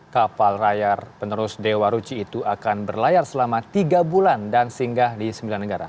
kapal layar penerus dewa ruchi itu akan berlayar selama tiga bulan dan singgah di sembilan negara